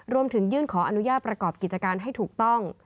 ยื่นขออนุญาตประกอบกิจการให้ถูกต้อง